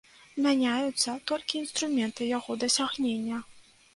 Мяняюцца толькі інструменты яго дасягнення.